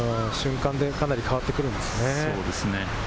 瞬間でかなり変わってくるんですね。